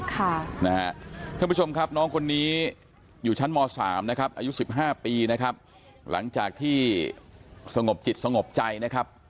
ท่านผู้ชมครับน้องคนนี้อยู่ชั้นม๓นะครับอายุ๑๕ปีนะครับหลังจากที่สงบจิตสงบใจนะครับ